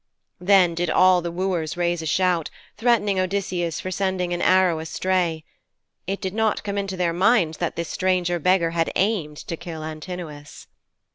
Then did all the wooers raise a shout, threatening Odysseus for sending an arrow astray. It did not come into their minds that this stranger beggar had aimed to kill Antinous.